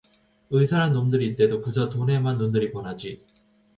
의사란 놈들이 있 대두 그저 돈에만 눈들이 번하지.